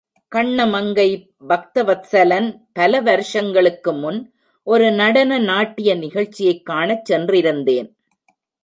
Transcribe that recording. கண்ணமங்கை பக்தவத்ஸலன் பல வருஷங்களுக்கு முன் ஒரு நடன நாட்டிய நிகழ்ச்சியைக் காணச் சென்றிருந்தேன்.